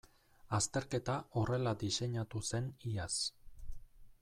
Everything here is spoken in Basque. Azterketa horrela diseinatu zen iaz.